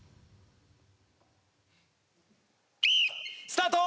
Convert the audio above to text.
スタート！